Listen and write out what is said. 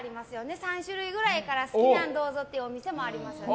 ３種類の中から好きなのどうぞっていうお店もありますよね。